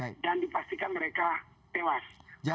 dan dipastikan mereka tewas